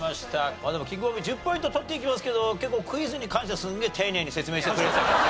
まあでもキングボンビー１０ポイント取っていきますけど結構クイズに関してはすんげえ丁寧に説明してくれる。